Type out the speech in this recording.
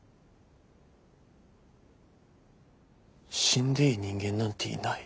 死んでいい人間なんていない。